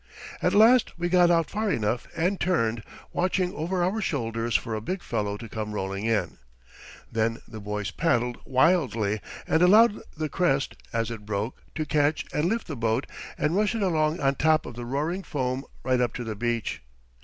At last we got out far enough and turned, watching over our shoulders for a big fellow to come rolling in. Then the boys paddled wildly and allowed the crest, as it broke, to catch and lift the boat and rush it along on top of the roaring foam, right up to the beach.